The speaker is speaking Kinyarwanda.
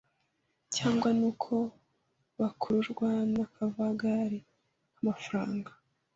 Cyangwa nuko bakururwa n’akavagari k’amafaranga